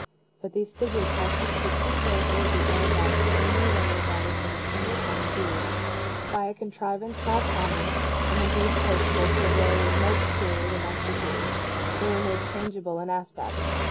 But these figures partook of the true character of the arabesque only when regarded from a single point of view. By a contrivance now common, and indeed traceable to a very remote period of antiquity, they were made changeable in aspect.